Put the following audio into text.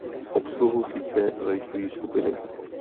Obsluhu sítě zajišťují skupiny.